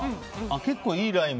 結構いいライン。